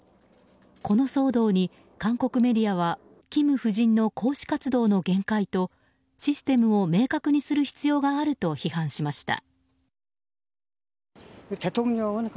この騒動に韓国メディアはキム夫人の公私活動の限界とシステムを明確にする必要があると批判しました。